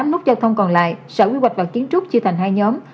hai mươi tám nút giao thông còn lại sở quy hoạch và kiến trúc chia thành hai nhóm